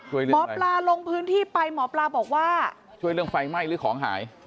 หมอปลาลงพื้นที่ไปหมอปลาบอกว่าช่วยเรื่องไฟไหม้หรือของหาย